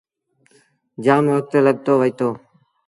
جآم وکت لڳيو وهيٚتو۔